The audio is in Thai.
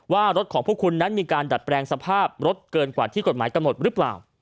ว่ารถของพวกคุณนั้นมีการดัดแปลงสภาพรถเกินกว่าที่กฎหมายกำหนดหรือเปล่า